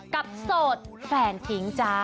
โสดแฟนทิ้งจ้า